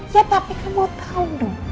ya tapi kamu mau tau dong